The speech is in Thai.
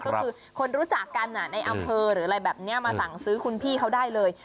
ก็คือคนรู้จักกันในอำเภอหรืออะไรแบบนี้มาสั่งซื้อคุณพี่เขาได้เลย